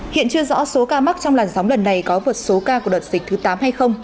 hiện chưa rõ số ca mắc trong làn sóng lần này có vượt số ca của đợt dịch thứ tám hay không